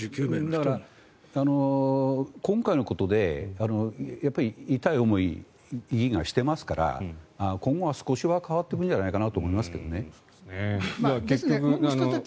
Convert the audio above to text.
だから、今回のことで痛い思いを議員がしていますから今後は少しは変わってくるんじゃないかと思いますけどね。